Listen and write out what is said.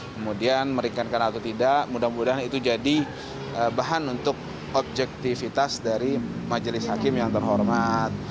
kemudian meringankan atau tidak mudah mudahan itu jadi bahan untuk objektivitas dari majelis hakim yang terhormat